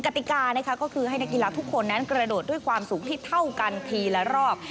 ติกานะคะก็คือให้นักกีฬาทุกคนนั้นกระโดดด้วยความสูงที่เท่ากันทีละรอบ